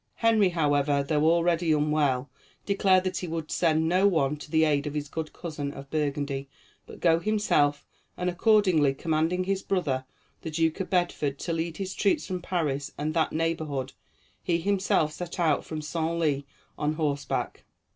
Henry, however, though already unwell, declared that he would send no one to the aid of his good cousin of Burgundy, but go himself, and, accordingly, commanding his brother the Duke of Bedford, to lead his troops from Paris and that neighborhood, he himself set out from Senlis on horseback.